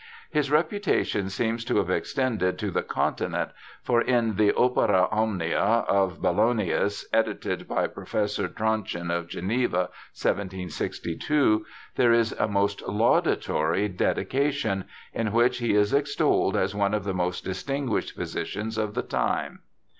His reputation seems to have extended to the Con tinent, for in the Opera Omnia of Ballonius, edited by Professor Tronchin, of Geneva, 1762, there is a most laudatory dedication, in which he is extolled as one of the most distinguished physicians of the time.